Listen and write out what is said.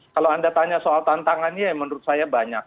kalau anda tanya soal tantangannya menurut saya banyak